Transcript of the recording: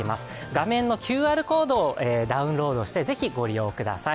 画面のＱＲコードをダウンロードして是非、ご利用ください。